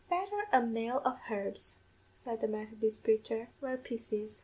"'Betther a male of herbs,' said the Methodist praicher, 'where pace is